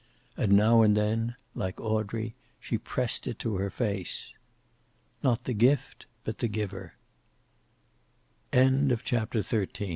And now and then, like Audrey, she pressed it to her face. Not the gift, but the giver. CHAPTER XIV Having turned